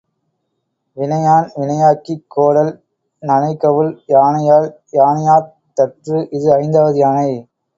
வினையான் வினையாக்கிக் கோடல் நனைகவுள் யானையால் யானையாத் தற்று. இது ஐந்தாவது யானை.